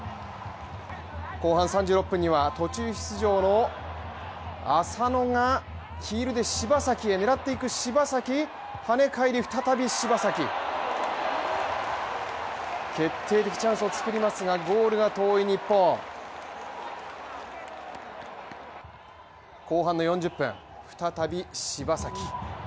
後半３６分には途中出場の浅野がヒールで柴崎を狙っていく柴崎、はね返り再び柴崎決定的チャンスを作りますがゴールが遠い日本後半の４０分、再び柴崎。